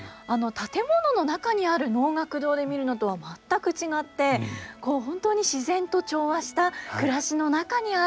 建物の中にある能楽堂で見るのとは全く違って本当に自然と調和した暮らしの中にある能舞台なんですね。